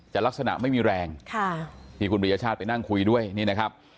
ลักษณะไม่มีแรงที่คุณบริยชาติไปนั่งคุยด้วยนี่นะครับ